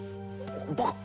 バカ！